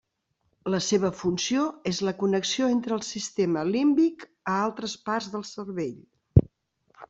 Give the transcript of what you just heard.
La seva funció és la connexió entre el sistema límbic a altres parts del cervell.